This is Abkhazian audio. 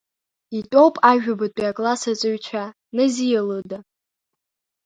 Итәоуп ажәабатәи акласс аҵаҩцәа, Назиа лыда.